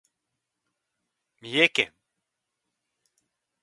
三重県